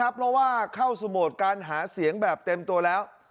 เพราะว่าเข้าสโมทการหาเสียงแบบเต็มตัวแล้ว